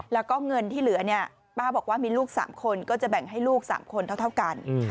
แล้วก็เงินที่เหลือเนี่ยป้าบอกว่ามีลูก๓คนก็จะแบ่งให้ลูก๓คนเท่ากัน